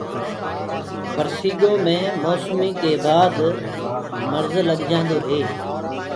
برسينگو مي مي موسمي ڪي بآد مرج لگجآندو هي۔